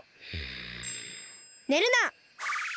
ねるな！